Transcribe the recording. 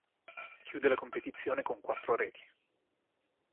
Chiude la competizione con quattro reti.